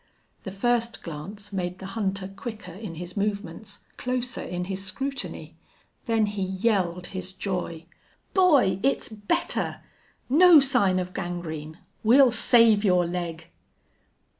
The first glance made the hunter quicker in his movements, closer in his scrutiny. Then he yelled his joy. "Boy, it's better! No sign of gangrene! We'll save your leg!"